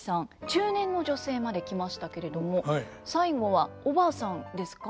中年の女性まで来ましたけれども最後はおばあさんですか？